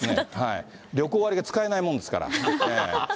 旅行割が使えないもんですから。